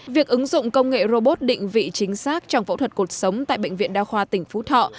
việc ứng dụng công nghệ robot định vị chính xác trong phẫu thuật cuộc sống tại bệnh viện đa khoa tỉnh phú thọ